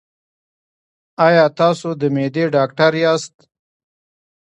ایا تاسو د معدې ډاکټر یاست؟